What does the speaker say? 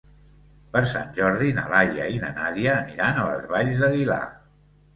Per Sant Jordi na Laia i na Nàdia aniran a les Valls d'Aguilar.